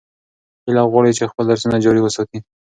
هیله غواړي چې خپل درسونه جاري وساتي.